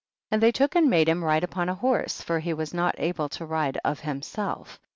40. And they took and made him ride upon a horse, for he was not able to ride of Jnmself.